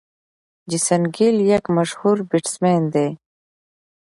جیسن ګيل یک مشهور بيټسمېن دئ.